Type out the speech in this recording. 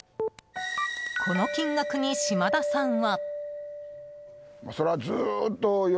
この金額に、島田さんは。